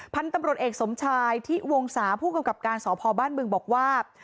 พันธุ์ตำรวจเอกสมชายที่วงศาผู้กำกับการสพบ้านบึงบอกว่า